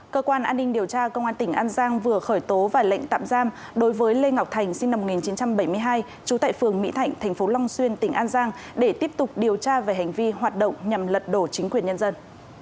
cơ quan an ninh điều tra công an tỉnh an giang vừa khởi tố và lệnh tạm giam đối với lê ngọc thành sinh năm một nghìn chín trăm bảy mươi hai trú tại phường mỹ thạnh tp long xuyên tỉnh an giang để tiếp tục điều tra về hành vi hoạt động nhằm lật đổ chính quyền nhân dân